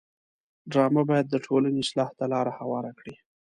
ډرامه باید د ټولنې اصلاح ته لاره هواره کړي